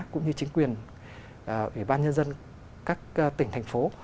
cũng như chính quyền ủy ban nhân dân các tỉnh thành phố